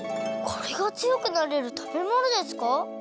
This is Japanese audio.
これがつよくなれるたべものですか？